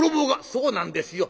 「そうなんですよ。